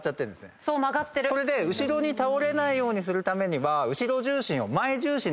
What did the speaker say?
それで後ろに倒れないようにするためには後ろ重心を。